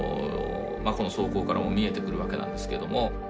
この草稿からも見えてくるわけなんですけども。